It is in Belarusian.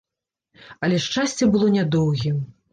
Але шчасце было нядоўгім.